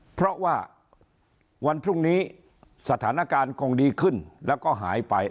เพราะว่าวันพรุ่งนี้สถานการณ์คงดีขึ้นแล้วก็หายไป